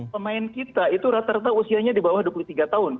pemain kita itu rata rata usianya di bawah dua puluh tiga tahun